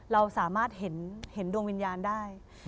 เราสามารถเห็นดวงวิญญาณได้